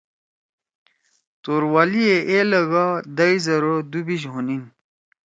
توروالیے اے لکھ آں دش زر او دُوبیِش ہونیِن۔